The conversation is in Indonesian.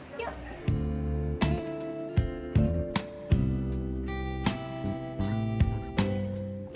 peyem di jawa barat